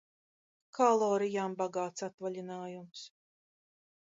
Kalorijām bagāts atvaļinājums...